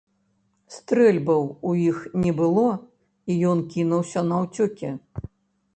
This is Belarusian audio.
Стрэльбаў у іх не было, і ён кінуўся наўцёкі.